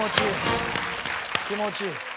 気持ちいい。